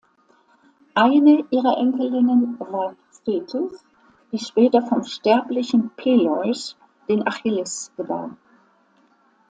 Eine ihrer Enkelinnen war Thetis, die später vom sterblichen Peleus den Achilles gebar.